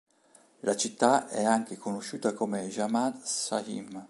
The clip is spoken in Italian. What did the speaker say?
La città è anche conosciuta come Jamaʿat Sah̨īm.